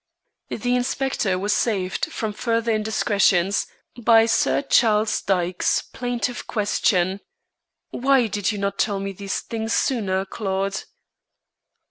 The inspector was saved from further indiscretions by Sir Charles Dyke's plaintive question: "Why did you not tell me these things sooner, Claude?"